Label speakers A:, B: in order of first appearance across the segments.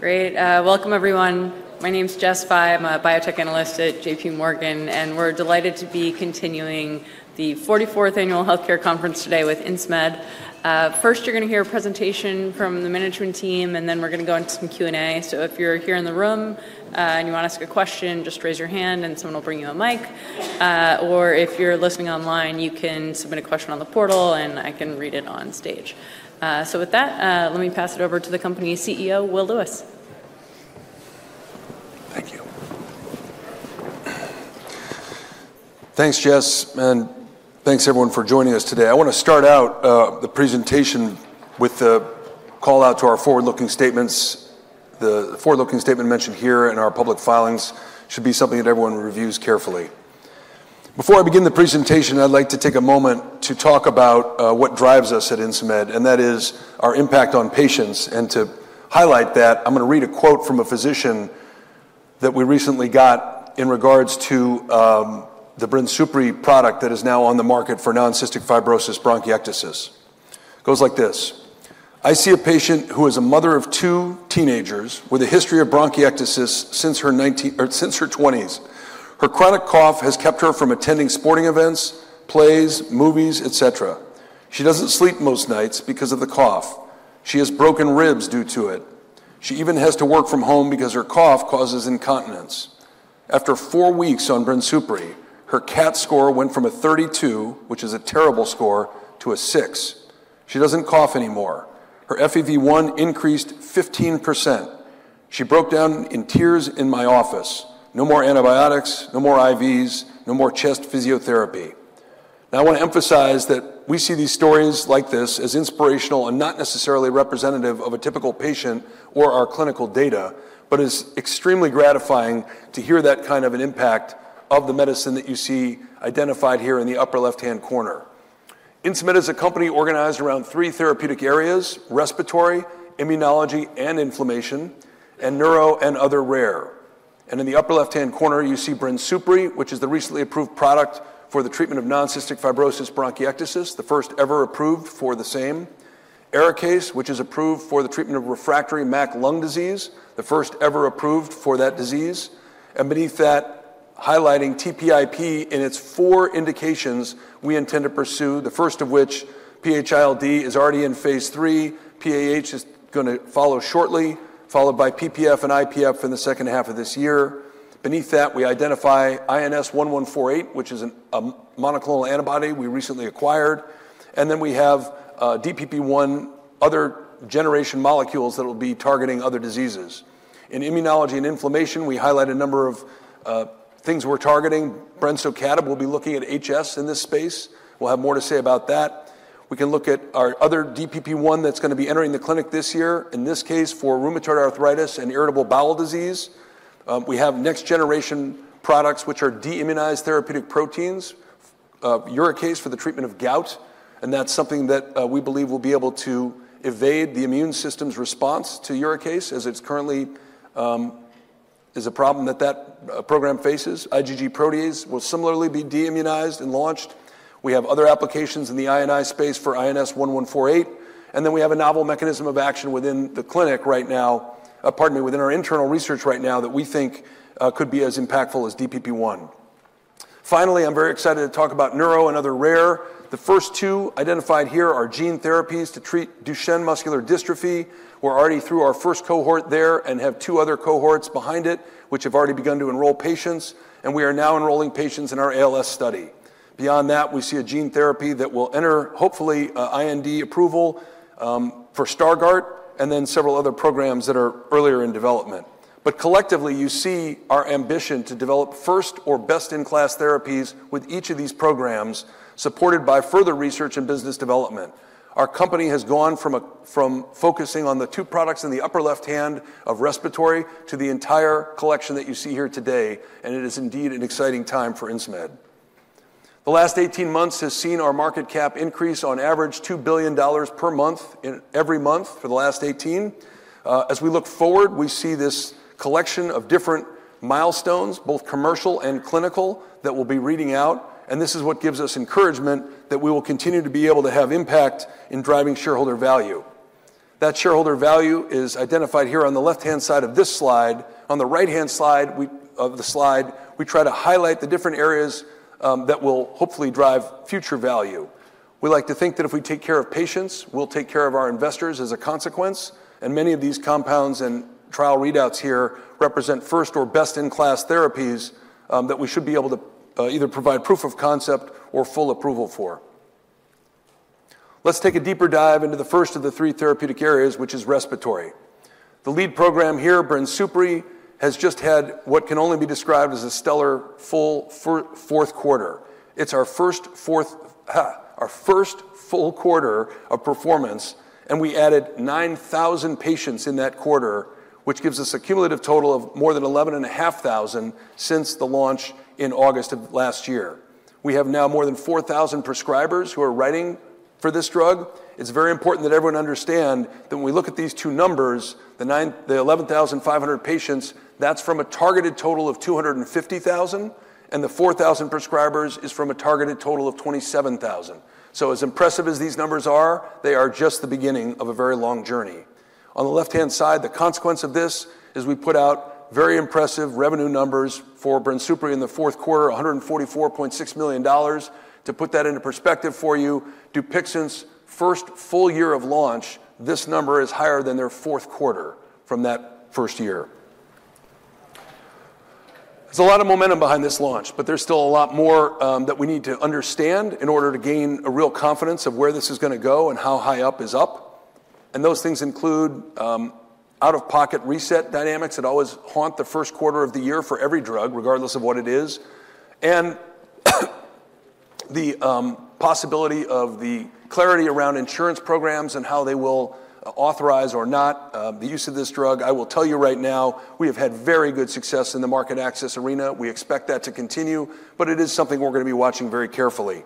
A: Great. Welcome, everyone. My name's Jess Fye. I'm a biotech analyst at JPMorgan, and we're delighted to be continuing the 44th Annual Healthcare Conference today with Insmed. First, you're going to hear a presentation from the management team, and then we're going to go into some Q&A. So if you're here in the room and you want to ask a question, just raise your hand, and someone will bring you a mic. Or if you're listening online, you can submit a question on the portal, and I can read it on stage. So with that, let me pass it over to the company's CEO, Will Lewis.
B: Thank you. Thanks, Jess, and thanks, everyone, for joining us today. I want to start out the presentation with a call out to our forward-looking statements. The forward-looking statement mentioned here in our public filings should be something that everyone reviews carefully. Before I begin the presentation, I'd like to take a moment to talk about what drives us at Insmed, and that is our impact on patients. To highlight that, I'm going to read a quote from a physician that we recently got in regards to the BRINSUPRI product that is now on the market for non-cystic fibrosis bronchiectasis. It goes like this: "I see a patient who is a mother of two teenagers with a history of bronchiectasis since her 20s. Her chronic cough has kept her from attending sporting events, plays, movies, etc. She doesn't sleep most nights because of the cough. She has broken ribs due to it. She even has to work from home because her cough causes incontinence. After four weeks on BRINSUPRI, her CAT score went from a 32, which is a terrible score, to a six. She doesn't cough anymore. Her FEV1 increased 15%. She broke down in tears in my office. No more antibiotics, no more IVs, no more chest physiotherapy." Now, I want to emphasize that we see these stories like this as inspirational and not necessarily representative of a typical patient or our clinical data, but it's extremely gratifying to hear that kind of an impact of the medicine that you see identified here in the upper left-hand corner. Insmed is a company organized around three therapeutic areas: respiratory, immunology, and inflammation, and neuro and other rare. And in the upper left-hand corner, you see BRINSUPRI, which is the recently approved product for the treatment of non-cystic fibrosis bronchiectasis, the first ever approved for the same. ARIKAYCE, which is approved for the treatment of refractory MAC lung disease, the first ever approved for that disease. And beneath that, highlighting TPIP in its four indications we intend to pursue, the first of which PH-ILD is already in phase three. PAH is going to follow shortly, followed by PPF and IPF in the second half of this year. Beneath that, we identify INS1148, which is a monoclonal antibody we recently acquired. And then we have DPP-1, other generation molecules that will be targeting other diseases. In immunology and inflammation, we highlight a number of things we're targeting. Brensocatib will be looking at HS in this space. We'll have more to say about that. We can look at our other DPP-1 that's going to be entering the clinic this year, in this case, for rheumatoid arthritis and inflammatory bowel disease. We have next-generation products, which are de-immunized therapeutic proteins, uricase for the treatment of gout. And that's something that we believe will be able to evade the immune system's response to uricase, as it currently is a problem that that program faces. IgG protease will similarly be de-immunized and launched. We have other applications in the INI space for INS1148. And then we have a novel mechanism of action within the clinic right now, pardon me, within our internal research right now that we think could be as impactful as DPP-1. Finally, I'm very excited to talk about neuro and other rare. The first two identified here are gene therapies to treat Duchenne muscular dystrophy. We're already through our first cohort there and have two other cohorts behind it, which have already begun to enroll patients, and we are now enrolling patients in our ALS study. Beyond that, we see a gene therapy that will enter, hopefully, IND approval for Stargardt and then several other programs that are earlier in development, but collectively, you see our ambition to develop first or best-in-class therapies with each of these programs, supported by further research and business development. Our company has gone from focusing on the two products in the upper left-hand of respiratory to the entire collection that you see here today, and it is indeed an exciting time for Insmed. The last 18 months have seen our market cap increase on average $2 billion per month, every month, for the last 18. As we look forward, we see this collection of different milestones, both commercial and clinical, that we'll be reading out. This is what gives us encouragement that we will continue to be able to have impact in driving shareholder value. That shareholder value is identified here on the left-hand side of this slide. On the right-hand side of the slide, we try to highlight the different areas that will hopefully drive future value. We like to think that if we take care of patients, we'll take care of our investors as a consequence. Many of these compounds and trial readouts here represent first or best-in-class therapies that we should be able to either provide proof of concept or full approval for. Let's take a deeper dive into the first of the three therapeutic areas, which is respiratory. The lead program here, BRINSUPRI, has just had what can only be described as a stellar full fourth quarter. It's our first full quarter of performance, and we added 9,000 patients in that quarter, which gives us a cumulative total of more than 11,500 since the launch in August of last year. We have now more than 4,000 prescribers who are writing for this drug. It's very important that everyone understand that when we look at these two numbers, the 11,500 patients, that's from a targeted total of 250,000, and the 4,000 prescribers is from a targeted total of 27,000. So as impressive as these numbers are, they are just the beginning of a very long journey. On the left-hand side, the consequence of this is we put out very impressive revenue numbers for BRINSUPRI in the fourth quarter, $144.6 million. To put that into perspective for you, Dupixent's first full year of launch, this number is higher than their fourth quarter from that first year. There's a lot of momentum behind this launch, but there's still a lot more that we need to understand in order to gain a real confidence of where this is going to go and how high up is up. And those things include out-of-pocket reset dynamics that always haunt the first quarter of the year for every drug, regardless of what it is. And the possibility of the clarity around insurance programs and how they will authorize or not the use of this drug. I will tell you right now, we have had very good success in the market access arena. We expect that to continue, but it is something we're going to be watching very carefully.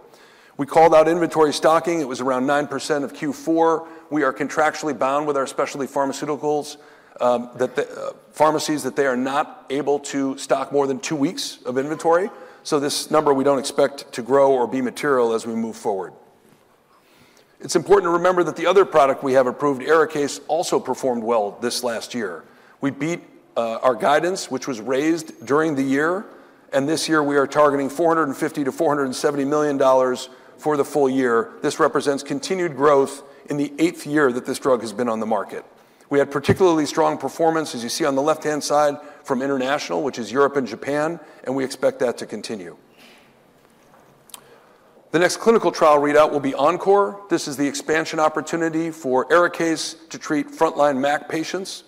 B: We called out inventory stocking. It was around 9% of Q4. We are contractually bound with our specialty pharmaceuticals, pharmacies that they are not able to stock more than two weeks of inventory. So this number, we don't expect to grow or be material as we move forward. It's important to remember that the other product we have approved, ARIKAYCE, also performed well this last year. We beat our guidance, which was raised during the year. This year, we are targeting $450-$470 million for the full year. This represents continued growth in the eighth year that this drug has been on the market. We had particularly strong performance, as you see on the left-hand side, from international, which is Europe and Japan, and we expect that to continue. The next clinical trial readout will be ENCORE. This is the expansion opportunity for ARIKAYCE to treat frontline MAC patients.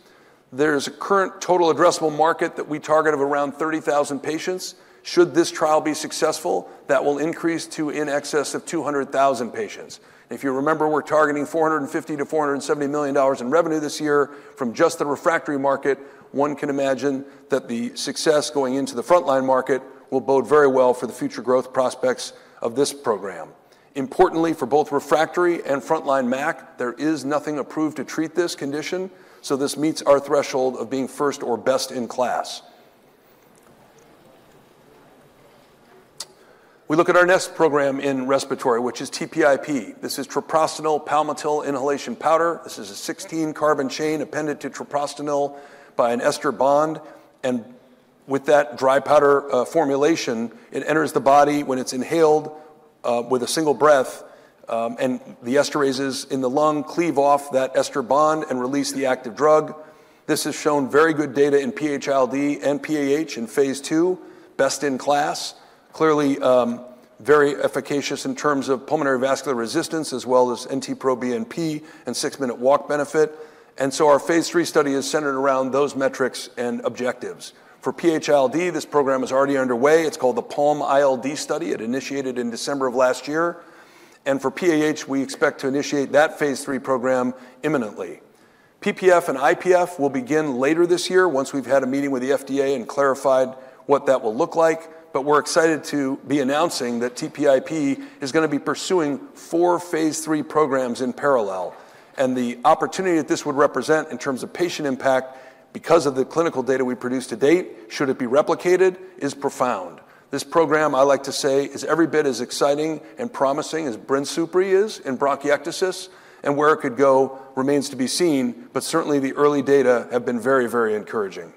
B: There is a current total addressable market that we target of around 30,000 patients. Should this trial be successful, that will increase to in excess of 200,000 patients. If you remember, we're targeting $450-$470 million in revenue this year from just the refractory market. One can imagine that the success going into the frontline market will bode very well for the future growth prospects of this program. Importantly, for both refractory and frontline MAC, there is nothing approved to treat this condition, so this meets our threshold of being first or best in class. We look at our next program in respiratory, which is TPIP. This is Treprostinil Palmitil Inhalation Powder. This is a 16-carbon chain appended to Treprostinil by an ester bond. With that dry powder formulation, it enters the body when it's inhaled with a single breath, and the esterases in the lung cleave off that ester bond and release the active drug. This has shown very good data in PH-ILD and PAH in phase two, best in class, clearly very efficacious in terms of pulmonary vascular resistance, as well as NT-proBNP and six-minute walk benefit. So our phase three study is centered around those metrics and objectives. For PH-ILD, this program is already underway. It's called the PALM-ILD study. It initiated in December of last year. For PAH, we expect to initiate that phase three program imminently. PPF and IPF will begin later this year, once we've had a meeting with the FDA and clarified what that will look like. But we're excited to be announcing that TPIP is going to be pursuing four phase three programs in parallel. And the opportunity that this would represent in terms of patient impact, because of the clinical data we produced to date, should it be replicated, is profound. This program, I like to say, is every bit as exciting and promising as BRINSUPRI is in bronchiectasis. And where it could go remains to be seen, but certainly the early data have been very, very encouraging.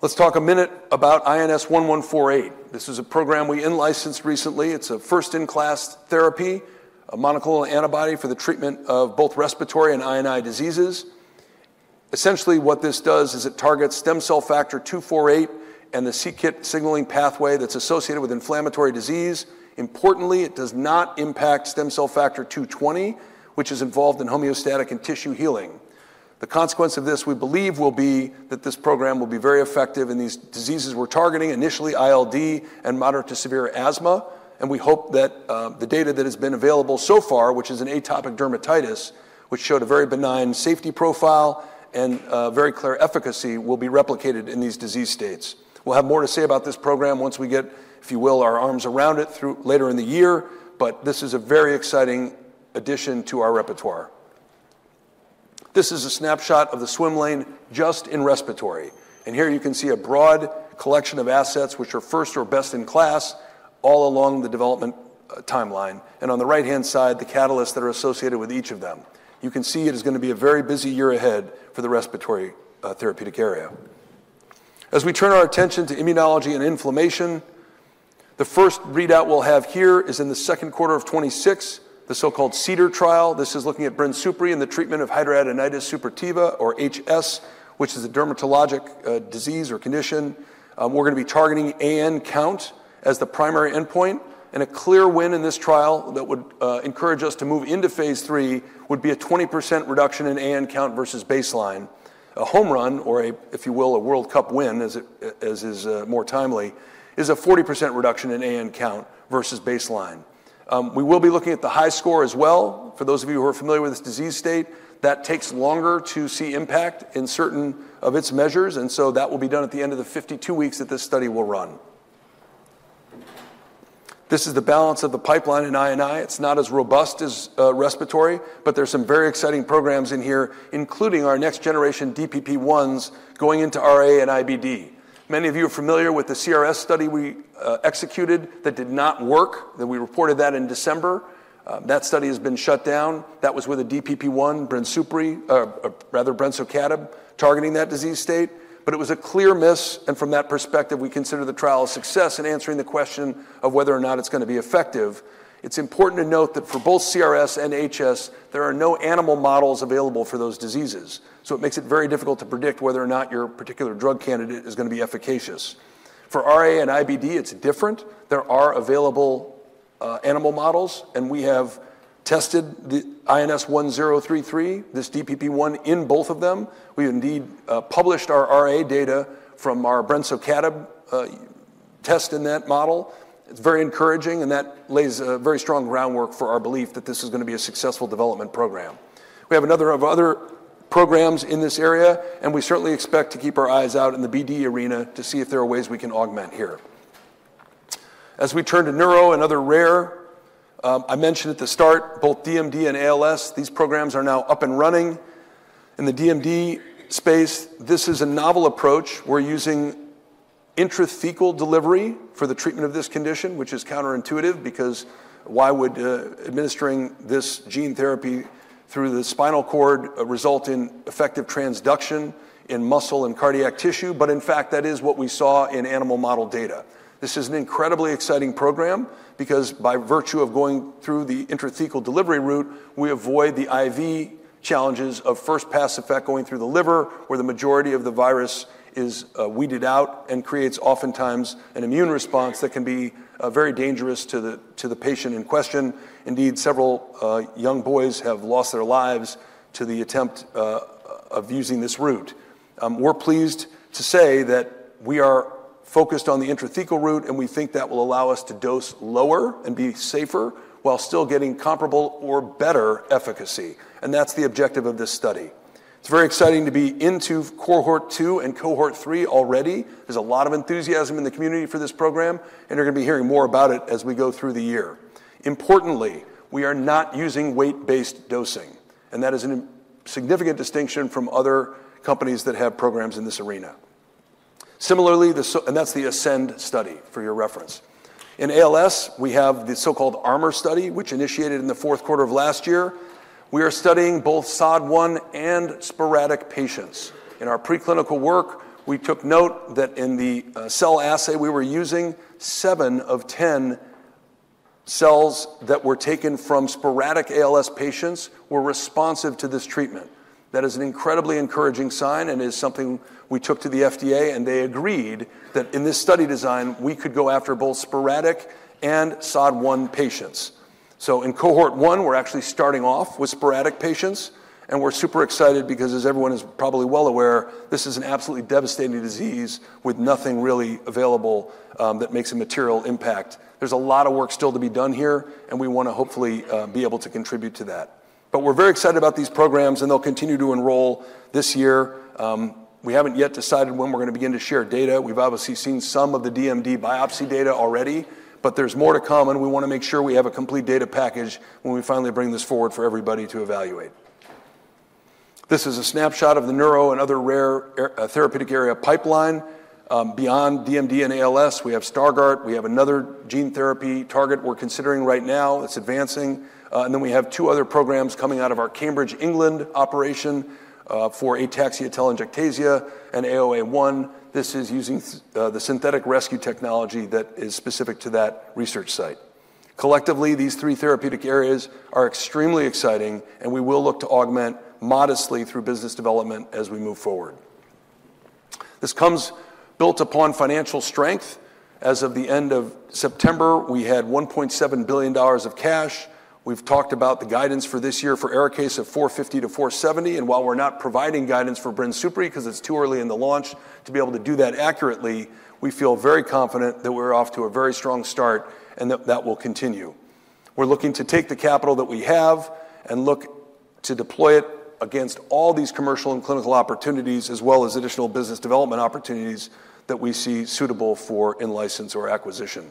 B: Let's talk a minute about INS1148. This is a program we in-licensed recently. It's a first-in-class therapy, a monoclonal antibody for the treatment of both respiratory and IBD diseases. Essentially, what this does is it targets stem cell factor 248 and the c-Kit signaling pathway that's associated with inflammatory disease. Importantly, it does not impact stem cell factor 220, which is involved in homeostatic and tissue healing. The consequence of this, we believe, will be that this program will be very effective in these diseases we're targeting, initially ILD and moderate to severe asthma. And we hope that the data that has been available so far, which is an atopic dermatitis, which showed a very benign safety profile and very clear efficacy, will be replicated in these disease states. We'll have more to say about this program once we get, if you will, our arms around it later in the year, but this is a very exciting addition to our repertoire. This is a snapshot of the swim lane just in respiratory. And here you can see a broad collection of assets, which are first or best in class, all along the development timeline. And on the right-hand side, the catalysts that are associated with each of them. You can see it is going to be a very busy year ahead for the respiratory therapeutic area. As we turn our attention to immunology and inflammation, the first readout we'll have here is in the second quarter of 2026, the so-called CEDAR trial. This is looking at BRINSUPRI and the treatment of hidradenitis suppurativa, or HS, which is a dermatologic disease or condition. We're going to be targeting AN count as the primary endpoint, and a clear win in this trial that would encourage us to move into phase 3 would be a 20% reduction in AN count versus baseline. A home run, or if you will, a World Cup win, as is more timely, is a 40% reduction in AN count versus baseline. We will be looking at the HiSCR as well. For those of you who are familiar with this disease state, that takes longer to see impact in certain of its measures. And so that will be done at the end of the 52 weeks that this study will run. This is the balance of the pipeline in Insmed. It's not as robust as respiratory, but there are some very exciting programs in here, including our next-generation DPP-1s going into RA and IBD. Many of you are familiar with the CRS study we executed that did not work. We reported that in December. That study has been shut down. That was with a DPP-1, BRINSUPRI, rather, Brensocatib, targeting that disease state. But it was a clear miss. And from that perspective, we consider the trial a success in answering the question of whether or not it's going to be effective. It's important to note that for both CRS and HS, there are no animal models available for those diseases. So it makes it very difficult to predict whether or not your particular drug candidate is going to be efficacious. For RA and IBD, it's different. There are available animal models, and we have tested the INS1033, this DPP-1, in both of them. We have indeed published our RA data from our Brensocatib test in that model. It's very encouraging, and that lays a very strong groundwork for our belief that this is going to be a successful development program. We have a number of other programs in this area, and we certainly expect to keep our eyes out in the BD arena to see if there are ways we can augment here. As we turn to neuro and other rare, I mentioned at the start, both DMD and ALS, these programs are now up and running. In the DMD space, this is a novel approach. We're using intrathecal delivery for the treatment of this condition, which is counterintuitive because why would administering this gene therapy through the spinal cord result in effective transduction in muscle and cardiac tissue? But in fact, that is what we saw in animal model data. This is an incredibly exciting program because by virtue of going through the intrathecal delivery route, we avoid the IV challenges of first-pass effect going through the liver, where the majority of the virus is weeded out and creates oftentimes an immune response that can be very dangerous to the patient in question. Indeed, several young boys have lost their lives to the attempt of using this route. We're pleased to say that we are focused on the intrathecal route, and we think that will allow us to dose lower and be safer while still getting comparable or better efficacy, and that's the objective of this study. It's very exciting to be into cohort two and cohort three already. There's a lot of enthusiasm in the community for this program, and you're going to be hearing more about it as we go through the year. Importantly, we are not using weight-based dosing, and that is a significant distinction from other companies that have programs in this arena. Similarly, and that's the ASCEND study for your reference. In ALS, we have the so-called ARMOR study, which initiated in the fourth quarter of last year. We are studying both SOD1 and sporadic patients. In our preclinical work, we took note that in the cell assay we were using, seven of 10 cells that were taken from sporadic ALS patients were responsive to this treatment. That is an incredibly encouraging sign and is something we took to the FDA, and they agreed that in this study design, we could go after both sporadic and SOD1 patients. So in cohort one, we're actually starting off with sporadic patients, and we're super excited because, as everyone is probably well aware, this is an absolutely devastating disease with nothing really available that makes a material impact. There's a lot of work still to be done here, and we want to hopefully be able to contribute to that. But we're very excited about these programs, and they'll continue to enroll this year. We haven't yet decided when we're going to begin to share data. We've obviously seen some of the DMD biopsy data already, but there's more to come, and we want to make sure we have a complete data package when we finally bring this forward for everybody to evaluate. This is a snapshot of the neuro and other rare therapeutic area pipeline. Beyond DMD and ALS, we have Stargardt. We have another gene therapy target we're considering right now. It's advancing. And then we have two other programs coming out of our Cambridge, England operation for ataxia telangiectasia and AOA1. This is using the synthetic rescue technology that is specific to that research site. Collectively, these three therapeutic areas are extremely exciting, and we will look to augment modestly through business development as we move forward. This comes built upon financial strength. As of the end of September, we had $1.7 billion of cash. We've talked about the guidance for this year for ARIKAYCE of $450-$470. And while we're not providing guidance for Brensocatib because it's too early in the launch to be able to do that accurately, we feel very confident that we're off to a very strong start and that that will continue. We're looking to take the capital that we have and look to deploy it against all these commercial and clinical opportunities, as well as additional business development opportunities that we see suitable for in-license or acquisition.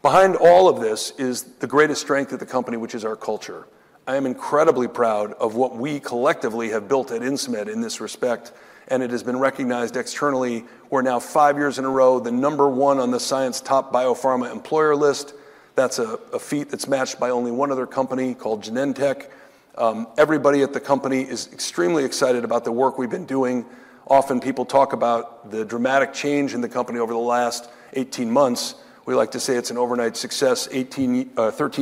B: Behind all of this is the greatest strength of the company, which is our culture. I am incredibly proud of what we collectively have built at Insmed in this respect, and it has been recognized externally. We're now five years in a row the number one on the science top biopharma employer list. That's a feat that's matched by only one other company called Genentech. Everybody at the company is extremely excited about the work we've been doing. Often people talk about the dramatic change in the company over the last 18 months. We like to say it's an overnight success, 13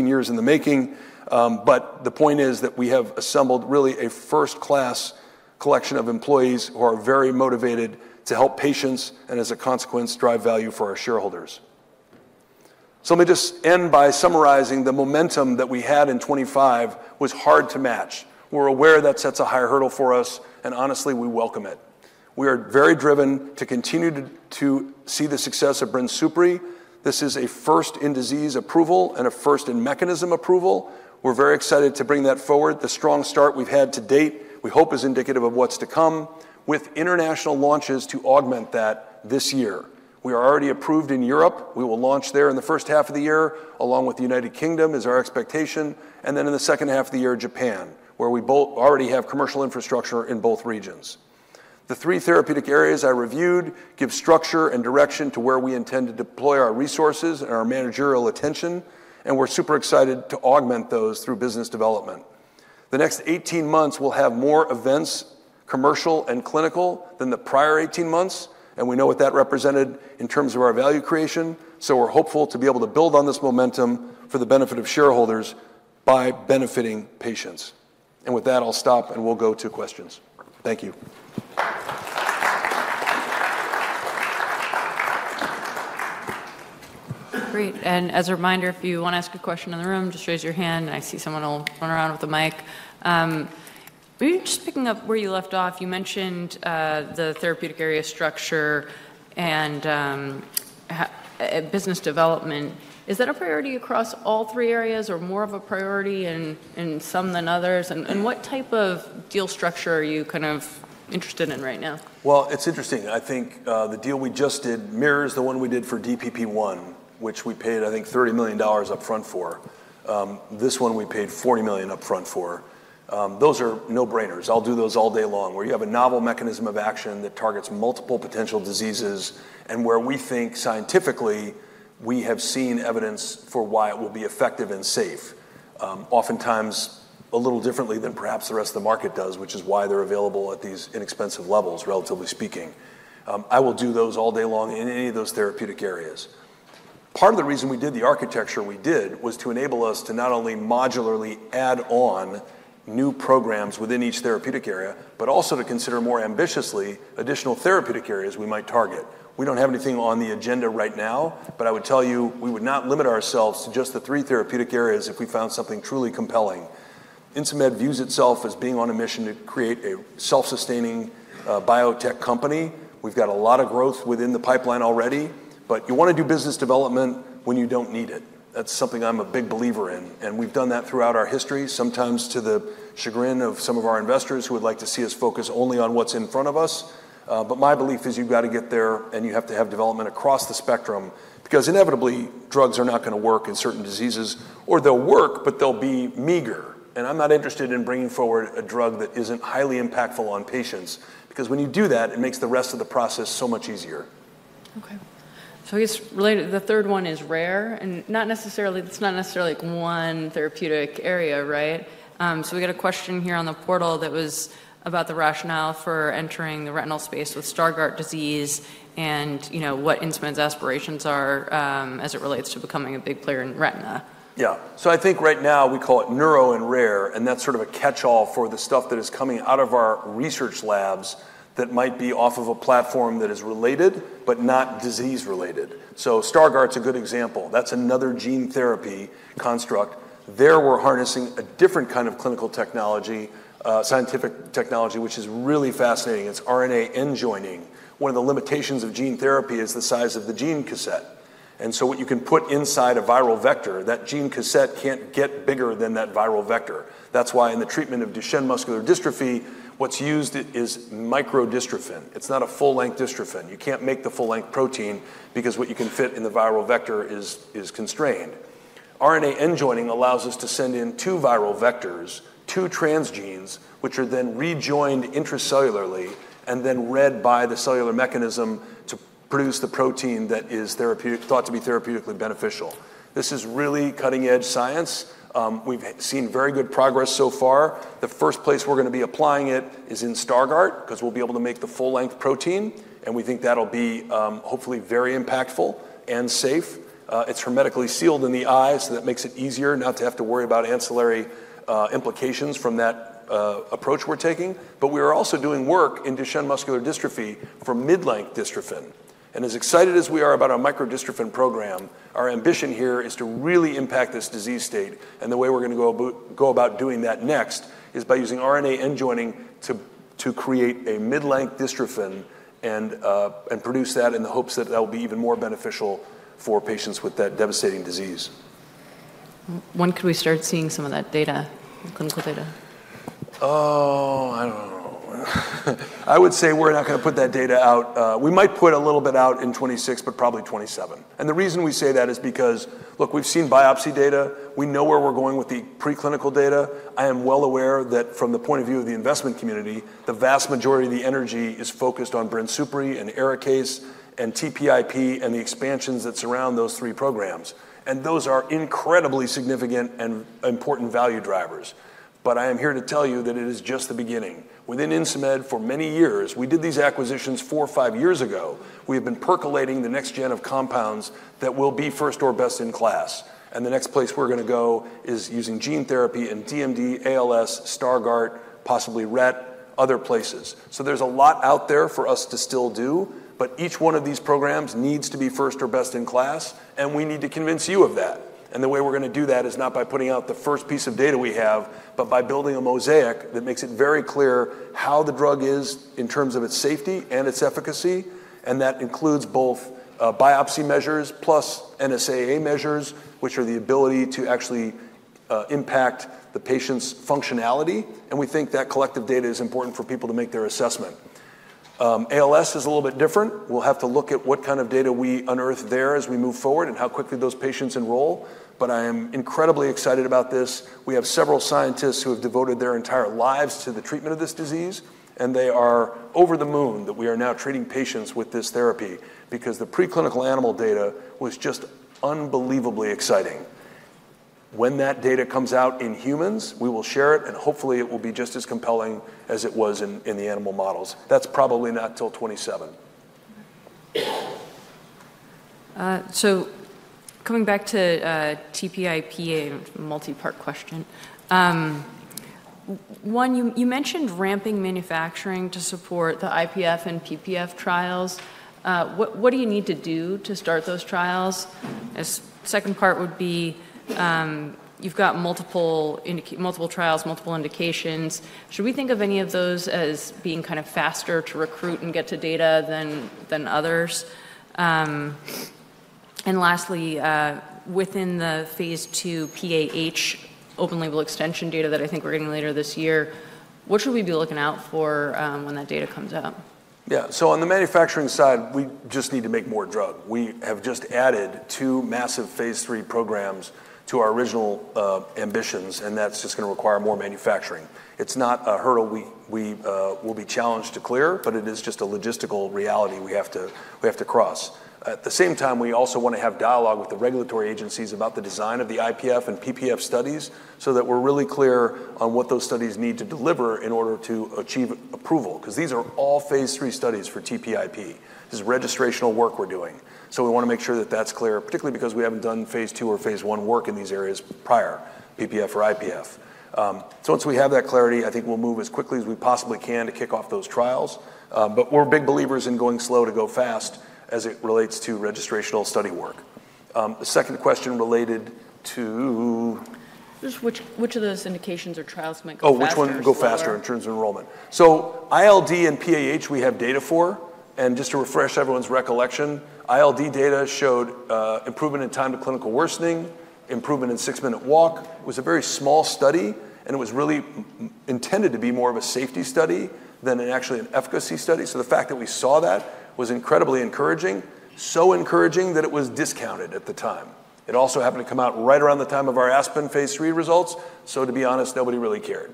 B: years in the making. But the point is that we have assembled really a first-class collection of employees who are very motivated to help patients and, as a consequence, drive value for our shareholders. So let me just end by summarizing the momentum that we had in 2025 was hard to match. We're aware that sets a higher hurdle for us, and honestly, we welcome it. We are very driven to continue to see the success of BRINSUPRI. This is a first in disease approval and a first in mechanism approval. We're very excited to bring that forward. The strong start we've had to date, we hope, is indicative of what's to come with international launches to augment that this year. We are already approved in Europe. We will launch there in the first half of the year, along with the United Kingdom, is our expectation, and then in the second half of the year, Japan, where we both already have commercial infrastructure in both regions. The three therapeutic areas I reviewed give structure and direction to where we intend to deploy our resources and our managerial attention, and we're super excited to augment those through business development. The next 18 months, we'll have more events, commercial and clinical, than the prior 18 months, and we know what that represented in terms of our value creation, so we're hopeful to be able to build on this momentum for the benefit of shareholders by benefiting patients. With that, I'll stop, and we'll go to questions. Thank you.
A: Great. And as a reminder, if you want to ask a question in the room, just raise your hand, and I see someone will run around with the mic. Just picking up where you left off, you mentioned the therapeutic area structure and business development. Is that a priority across all three areas or more of a priority in some than others? And what type of deal structure are you kind of interested in right now?
B: It's interesting. I think the deal we just did mirrors the one we did for DPP-1, which we paid, I think, $30 million upfront for. This one we paid $40 million upfront for. Those are no-brainers. I'll do those all day long, where you have a novel mechanism of action that targets multiple potential diseases and where we think scientifically we have seen evidence for why it will be effective and safe, oftentimes a little differently than perhaps the rest of the market does, which is why they're available at these inexpensive levels, relatively speaking. I will do those all day long in any of those therapeutic areas. Part of the reason we did the architecture we did was to enable us to not only modularly add on new programs within each therapeutic area, but also to consider more ambitiously additional therapeutic areas we might target. We don't have anything on the agenda right now, but I would tell you we would not limit ourselves to just the three therapeutic areas if we found something truly compelling. Insmed views itself as being on a mission to create a self-sustaining biotech company. We've got a lot of growth within the pipeline already, but you want to do business development when you don't need it. That's something I'm a big believer in, and we've done that throughout our history, sometimes to the chagrin of some of our investors who would like to see us focus only on what's in front of us. But my belief is you've got to get there, and you have to have development across the spectrum because inevitably, drugs are not going to work in certain diseases, or they'll work, but they'll be meager. I'm not interested in bringing forward a drug that isn't highly impactful on patients because when you do that, it makes the rest of the process so much easier.
A: Okay. So I guess related, the third one is rare, and it's not necessarily like one therapeutic area, right? So we got a question here on the portal that was about the rationale for entering the retinal space with Stargardt disease and what Insmed's aspirations are as it relates to becoming a big player in retina.
B: Yeah. So I think right now we call it neuro and rare, and that's sort of a catch-all for the stuff that is coming out of our research labs that might be off of a platform that is related but not disease-related. So Stargardt's a good example. That's another gene therapy construct. There, we're harnessing a different kind of clinical technology, scientific technology, which is really fascinating. It's RNA end-joining. One of the limitations of gene therapy is the size of the gene cassette. And so what you can put inside a viral vector, that gene cassette can't get bigger than that viral vector. That's why in the treatment of Duchenne muscular dystrophy, what's used is microdystrophin. It's not a full-length dystrophin. You can't make the full-length protein because what you can fit in the viral vector is constrained. RNA end-joining allows us to send in two viral vectors, two transgenes, which are then rejoined intracellularly and then read by the cellular mechanism to produce the protein that is thought to be therapeutically beneficial. This is really cutting-edge science. We've seen very good progress so far. The first place we're going to be applying it is in Stargardt because we'll be able to make the full-length protein, and we think that'll be hopefully very impactful and safe. It's hermetically sealed in the eye, so that makes it easier not to have to worry about ancillary implications from that approach we're taking. But we are also doing work in Duchenne muscular dystrophy for mid-length dystrophin. And as excited as we are about our microdystrophin program, our ambition here is to really impact this disease state. The way we're going to go about doing that next is by using RNA end-joining to create a mid-length dystrophin and produce that in the hopes that that will be even more beneficial for patients with that devastating disease.
A: When could we start seeing some of that data, clinical data?
B: Oh, I don't know. I would say we're not going to put that data out. We might put a little bit out in 2026, but probably 2027. And the reason we say that is because, look, we've seen biopsy data. We know where we're going with the preclinical data. I am well aware that from the point of view of the investment community, the vast majority of the energy is focused on BRINSUPRI and ARIKAYCE and TPIP and the expansions that surround those three programs. And those are incredibly significant and important value drivers. But I am here to tell you that it is just the beginning. Within Insmed, for many years, we did these acquisitions four or five years ago. We have been percolating the next-gen of compounds that will be first or best in class. And the next place we're going to go is using gene therapy in DMD, ALS, Stargardt, possibly Rett, other places. So there's a lot out there for us to still do, but each one of these programs needs to be first or best in class, and we need to convince you of that. And the way we're going to do that is not by putting out the first piece of data we have, but by building a mosaic that makes it very clear how the drug is in terms of its safety and its efficacy. And that includes both biopsy measures plus NSAA measures, which are the ability to actually impact the patient's functionality. And we think that collective data is important for people to make their assessment. ALS is a little bit different. We'll have to look at what kind of data we unearth there as we move forward and how quickly those patients enroll. But I am incredibly excited about this. We have several scientists who have devoted their entire lives to the treatment of this disease, and they are over the moon that we are now treating patients with this therapy because the preclinical animal data was just unbelievably exciting. When that data comes out in humans, we will share it, and hopefully, it will be just as compelling as it was in the animal models. That's probably not till 2027.
A: Coming back to TPIP, multi-part question. One, you mentioned ramping manufacturing to support the IPF and PPF trials. What do you need to do to start those trials? Second part would be you've got multiple trials, multiple indications. Should we think of any of those as being kind of faster to recruit and get to data than others? And lastly, within the phase two PAH open-label extension data that I think we're getting later this year, what should we be looking out for when that data comes out?
B: Yeah. So on the manufacturing side, we just need to make more drug. We have just added two massive phase three programs to our original ambitions, and that's just going to require more manufacturing. It's not a hurdle we will be challenged to clear, but it is just a logistical reality we have to cross. At the same time, we also want to have dialogue with the regulatory agencies about the design of the IPF and PPF studies so that we're really clear on what those studies need to deliver in order to achieve approval because these are all phase three studies for TPIP. This is registrational work we're doing. So we want to make sure that that's clear, particularly because we haven't done phase two or phase one work in these areas prior, PPF or IPF. So once we have that clarity, I think we'll move as quickly as we possibly can to kick off those trials. But we're big believers in going slow to go fast as it relates to registrational study work. The second question related to.
A: Which of those indications or trials might go faster?
B: Oh, which ones go faster in terms of enrollment? So ILD and PAH, we have data for. And just to refresh everyone's recollection, ILD data showed improvement in time to clinical worsening, improvement in six-minute walk. It was a very small study, and it was really intended to be more of a safety study than actually an efficacy study. So the fact that we saw that was incredibly encouraging, so encouraging that it was discounted at the time. It also happened to come out right around the time of our ASPEN phase 3 results. So to be honest, nobody really cared.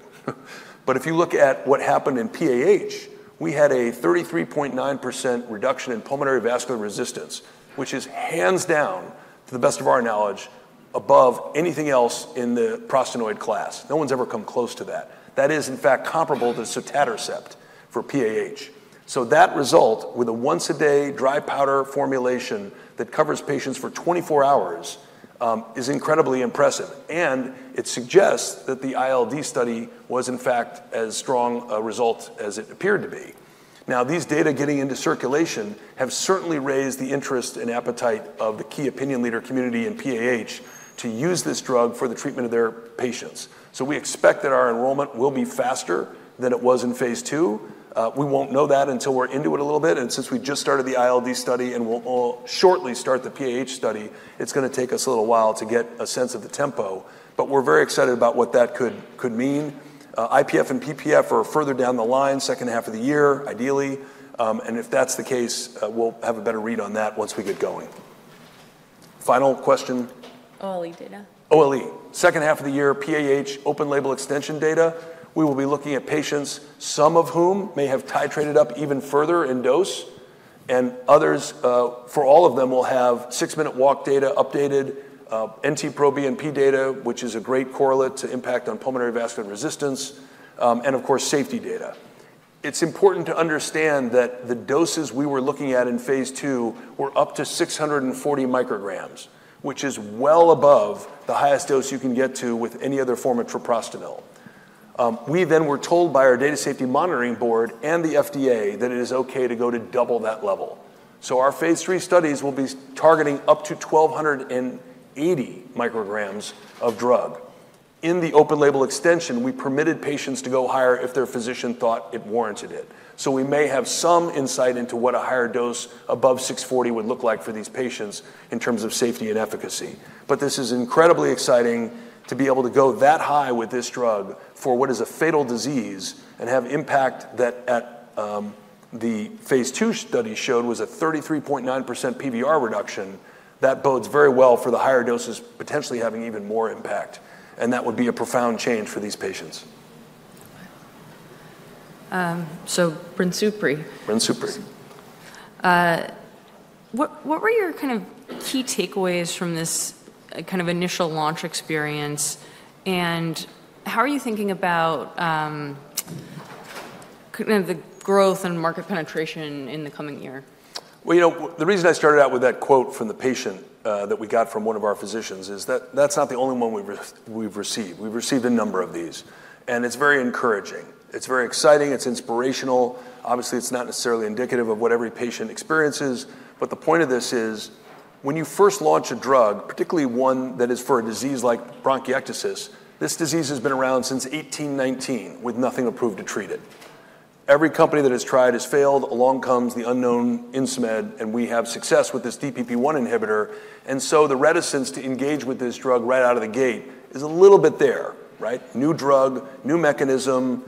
B: But if you look at what happened in PAH, we had a 33.9% reduction in pulmonary vascular resistance, which is hands down, to the best of our knowledge, above anything else in the prostanoid class. No one's ever come close to that. That is, in fact, comparable to Sotatercept for PAH. So that result with a once-a-day dry powder formulation that covers patients for 24 hours is incredibly impressive. And it suggests that the ILD study was, in fact, as strong a result as it appeared to be. Now, these data getting into circulation have certainly raised the interest and appetite of the key opinion leader community in PAH to use this drug for the treatment of their patients. So we expect that our enrollment will be faster than it was in phase two. We won't know that until we're into it a little bit. And since we just started the ILD study and will shortly start the PAH study, it's going to take us a little while to get a sense of the tempo. But we're very excited about what that could mean. IPF and PPF are further down the line, second half of the year, ideally. And if that's the case, we'll have a better read on that once we get going. Final question.
A: OLE data.
B: OLE. Second half of the year, PAH, open label extension data. We will be looking at patients, some of whom may have titrated up even further in dose, and others, for all of them, we'll have six-minute walk data updated, NT-proBNP data, which is a great correlate to impact on pulmonary vascular resistance, and of course, safety data. It's important to understand that the doses we were looking at in phase two were up to 640 micrograms, which is well above the highest dose you can get to with any other form of Treprostinil. We then were told by our data safety monitoring board and the FDA that it is okay to go to double that level. So our phase three studies will be targeting up to 1,280 micrograms of drug. In the open label extension, we permitted patients to go higher if their physician thought it warranted it. So we may have some insight into what a higher dose above 640 would look like for these patients in terms of safety and efficacy. But this is incredibly exciting to be able to go that high with this drug for what is a fatal disease and have impact that, at the phase 2 study showed, was a 33.9% PVR reduction. That bodes very well for the higher doses potentially having even more impact. And that would be a profound change for these patients.
A: So BRINSUPRI.
B: BRINSUPRI.
A: What were your kind of key takeaways from this kind of initial launch experience, and how are you thinking about the growth and market penetration in the coming year?
B: You know, the reason I started out with that quote from the patient that we got from one of our physicians is that that's not the only one we've received. We've received a number of these, and it's very encouraging. It's very exciting. It's inspirational. Obviously, it's not necessarily indicative of what every patient experiences, but the point of this is, when you first launch a drug, particularly one that is for a disease like bronchiectasis, this disease has been around since 1819 with nothing approved to treat it. Every company that has tried has failed. Along comes the unknown Insmed, and we have success with this DPP-1 inhibitor. And so the reticence to engage with this drug right out of the gate is a little bit there, right? New drug, new mechanism.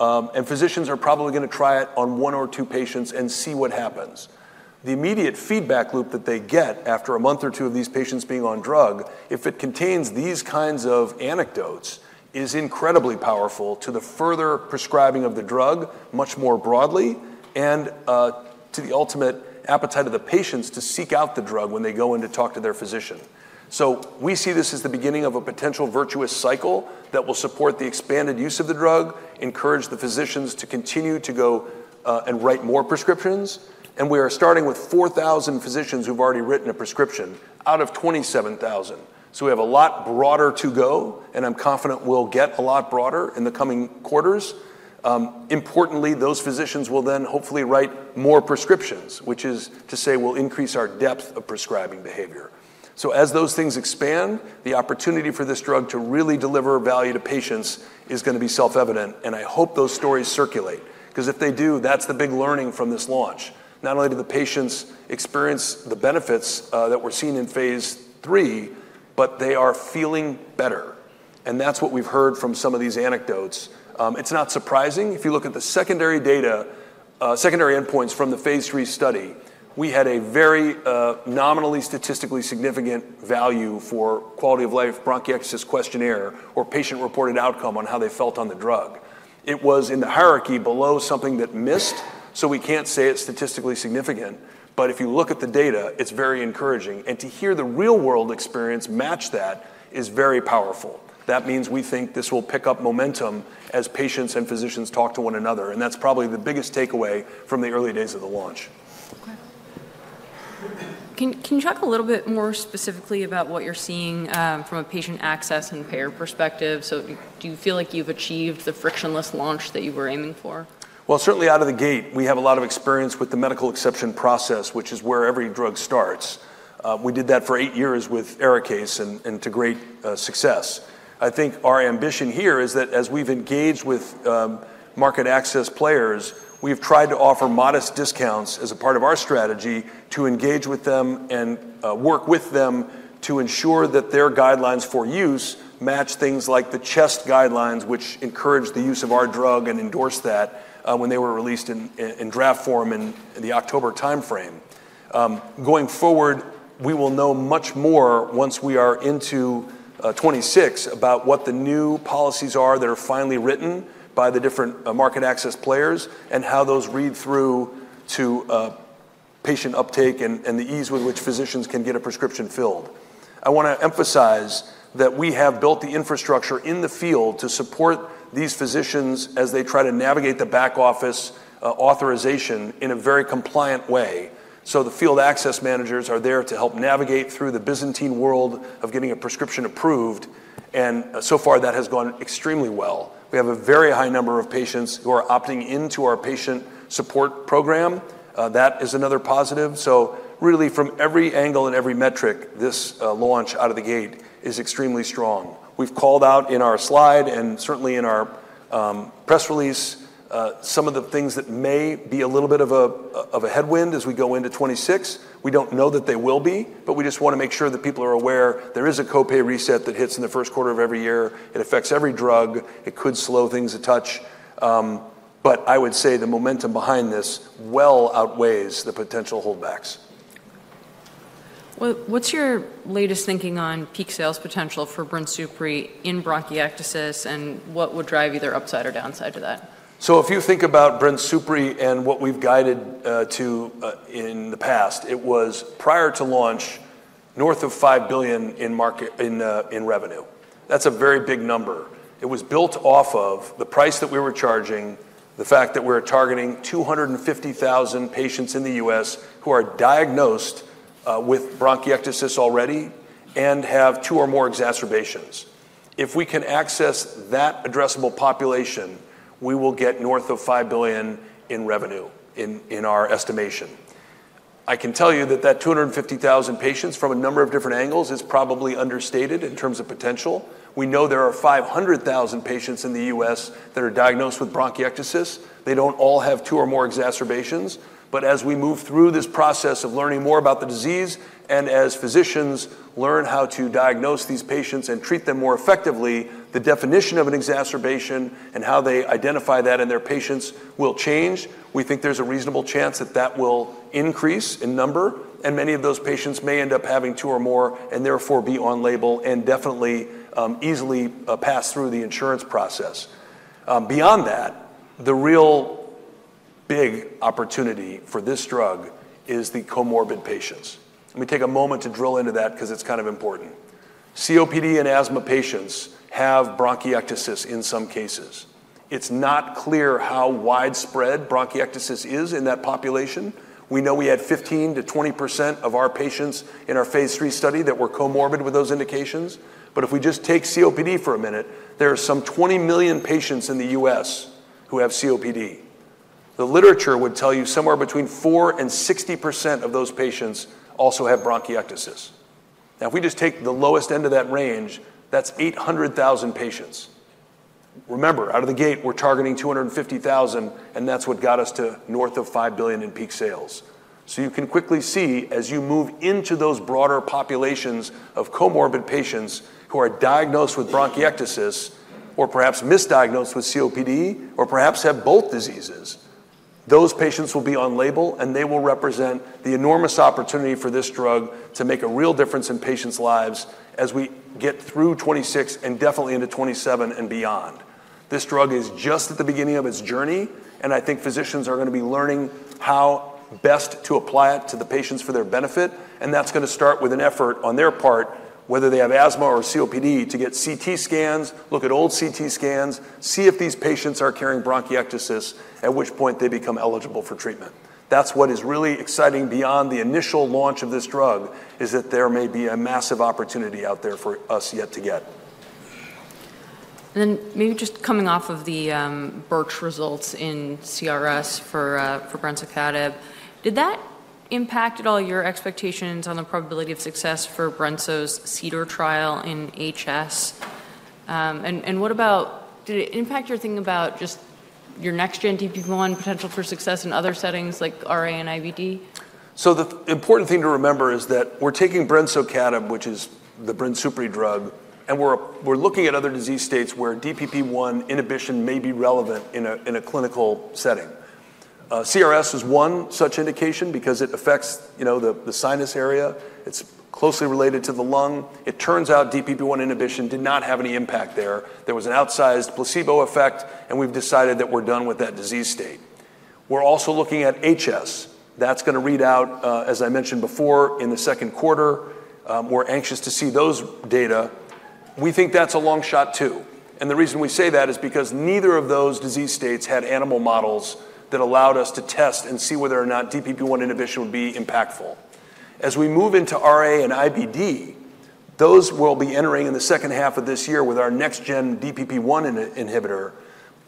B: Physicians are probably going to try it on one or two patients and see what happens. The immediate feedback loop that they get after a month or two of these patients being on drug, if it contains these kinds of anecdotes, is incredibly powerful to the further prescribing of the drug much more broadly and to the ultimate appetite of the patients to seek out the drug when they go in to talk to their physician. So we see this as the beginning of a potential virtuous cycle that will support the expanded use of the drug, encourage the physicians to continue to go and write more prescriptions. We are starting with 4,000 physicians who've already written a prescription out of 27,000. So we have a lot broader to go, and I'm confident we'll get a lot broader in the coming quarters. Importantly, those physicians will then hopefully write more prescriptions, which is to say we'll increase our depth of prescribing behavior. So as those things expand, the opportunity for this drug to really deliver value to patients is going to be self-evident. And I hope those stories circulate because if they do, that's the big learning from this launch. Not only do the patients experience the benefits that were seen in phase three, but they are feeling better. And that's what we've heard from some of these anecdotes. It's not surprising. If you look at the secondary data endpoints from the phase three study, we had a very nominally statistically significant value for quality of life bronchiectasis questionnaire or patient reported outcome on how they felt on the drug. It was in the hierarchy below something that missed, so we can't say it's statistically significant. But if you look at the data, it's very encouraging. And to hear the real-world experience match that is very powerful. That means we think this will pick up momentum as patients and physicians talk to one another. And that's probably the biggest takeaway from the early days of the launch.
A: Can you talk a little bit more specifically about what you're seeing from a patient access and payer perspective? So do you feel like you've achieved the frictionless launch that you were aiming for?
B: Certainly out of the gate, we have a lot of experience with the medical exception process, which is where every drug starts. We did that for eight years with ARIKAYCE and to great success. I think our ambition here is that as we've engaged with market access players, we've tried to offer modest discounts as a part of our strategy to engage with them and work with them to ensure that their guidelines for use match things like the CHEST guidelines, which encouraged the use of our drug and endorsed that when they were released in draft form in the October timeframe. Going forward, we will know much more once we are into 2026 about what the new policies are that are finally written by the different market access players and how those read through to patient uptake and the ease with which physicians can get a prescription filled. I want to emphasize that we have built the infrastructure in the field to support these physicians as they try to navigate the back office authorization in a very compliant way. So the field access managers are there to help navigate through the Byzantine world of getting a prescription approved. And so far, that has gone extremely well. We have a very high number of patients who are opting into our patient support program. That is another positive. So really, from every angle and every metric, this launch out of the gate is extremely strong. We've called out in our slide and certainly in our press release some of the things that may be a little bit of a headwind as we go into 2026. We don't know that they will be, but we just want to make sure that people are aware there is a copay reset that hits in the first quarter of every year. It affects every drug. It could slow things a touch. But I would say the momentum behind this well outweighs the potential holdbacks.
A: What's your latest thinking on peak sales potential for BRINSUPRI in bronchiectasis and what would drive either upside or downside to that?
B: So if you think about BRINSUPRI and what we've guided to in the past, it was prior to launch north of $5 billion in revenue. That's a very big number. It was built off of the price that we were charging, the fact that we're targeting 250,000 patients in the U.S. who are diagnosed with bronchiectasis already and have two or more exacerbations. If we can access that addressable population, we will get north of $5 billion in revenue in our estimation. I can tell you that that 250,000 patients from a number of different angles is probably understated in terms of potential. We know there are 500,000 patients in the U.S. that are diagnosed with bronchiectasis. They don't all have two or more exacerbations. But as we move through this process of learning more about the disease and as physicians learn how to diagnose these patients and treat them more effectively, the definition of an exacerbation and how they identify that in their patients will change. We think there's a reasonable chance that that will increase in number, and many of those patients may end up having two or more and therefore be on label and definitely easily pass through the insurance process. Beyond that, the real big opportunity for this drug is the comorbid patients. Let me take a moment to drill into that because it's kind of important. COPD and asthma patients have bronchiectasis in some cases. It's not clear how widespread bronchiectasis is in that population. We know we had 15%-20% of our patients in our phase 3 study that were comorbid with those indications. But if we just take COPD for a minute, there are some 20 million patients in the U.S. who have COPD. The literature would tell you somewhere between 4%-60% of those patients also have bronchiectasis. Now, if we just take the lowest end of that range, that's 800,000 patients. Remember, out of the gate, we're targeting 250,000, and that's what got us to north of $5 billion in peak sales. So you can quickly see as you move into those broader populations of comorbid patients who are diagnosed with bronchiectasis or perhaps misdiagnosed with COPD or perhaps have both diseases, those patients will be on label, and they will represent the enormous opportunity for this drug to make a real difference in patients' lives as we get through 2026 and definitely into 2027 and beyond. This drug is just at the beginning of its journey, and I think physicians are going to be learning how best to apply it to the patients for their benefit. And that's going to start with an effort on their part, whether they have asthma or COPD, to get CT scans, look at old CT scans, see if these patients are carrying bronchiectasis, at which point they become eligible for treatment. That's what is really exciting beyond the initial launch of this drug, is that there may be a massive opportunity out there for us yet to get.
A: Then maybe just coming off of the BiRCh results in CRS for Brensocatib, did that impact at all your expectations on the probability of success for Brensocatib's CIDER trial in HS? What about did it impact your thinking about just your next-gen DPP-1 potential for success in other settings like RA and IBD?
B: The important thing to remember is that we're taking Brensocatib, which is the BRINSUPRI drug, and we're looking at other disease states where DPP-1 inhibition may be relevant in a clinical setting. CRS is one such indication because it affects the sinus area. It's closely related to the lung. It turns out DPP-1 inhibition did not have any impact there. There was an outsized placebo effect, and we've decided that we're done with that disease state. We're also looking at HS. That's going to read out, as I mentioned before, in the second quarter. We're anxious to see those data. We think that's a long shot too. And the reason we say that is because neither of those disease states had animal models that allowed us to test and see whether or not DPP-1 inhibition would be impactful. As we move into RA and IBD, those will be entering in the second half of this year with our next-gen DPP-1 inhibitor.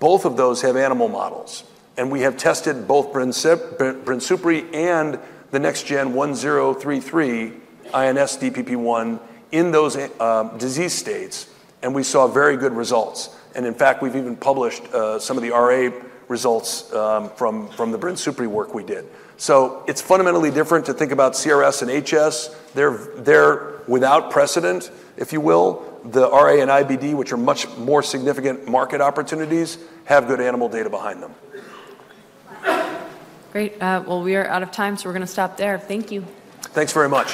B: Both of those have animal models, and we have tested both BRINSUPRI and the next-gen INS1033 DPP-1 in those disease states, and we saw very good results. In fact, we've even published some of the RA results from the BRINSUPRI work we did. It's fundamentally different to think about CRS and HS. They're without precedent, if you will. The RA and IBD, which are much more significant market opportunities, have good animal data behind them.
A: Great. Well, we are out of time, so we're going to stop there. Thank you.
B: Thanks very much.